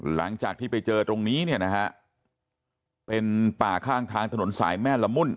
หลังจากที่ไปเจอตรงนี้เนี่ยนะฮะเป็นป่าข้างทางถนนสายแม่ละมุ่น